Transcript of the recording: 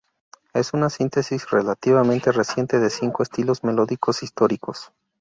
Es una síntesis relativamente reciente de cinco estilos melódicos históricos.